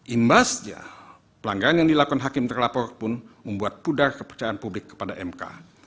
imbasnya pelanggaran yang dilakukan hakim terlapor pun membuat pudar kepercayaan publik kepada mk